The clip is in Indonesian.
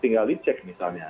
tinggal dicek misalnya